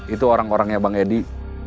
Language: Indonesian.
itu orang orangnya bang edi